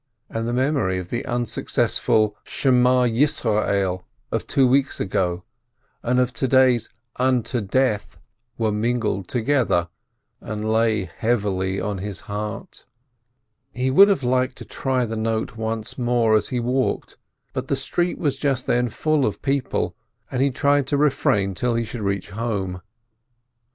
And the memory of the unsuc cessful "Hear, 0 Israel" of two weeks ago and of to day's "unto death" were mingled together, and lay heavily on his heart. He would have liked to try the note once more as he walked, but the street was just then full of people, and he tried to refrain till he should reach home.